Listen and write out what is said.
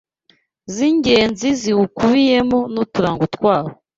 z’ingenzi ziwukubiyemo n’uturango twawo